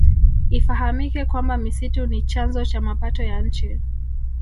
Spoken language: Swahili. Ifahamike kwamba misitu ni chanzo cha mapato ya nchi